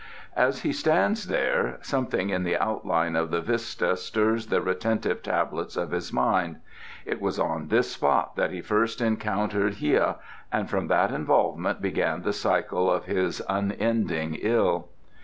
As he stands there, something in the outline of the vista stirs the retentive tablets of his mind: it was on this spot that he first encountered Hia, and from that involvement began the cycle of his unending ill.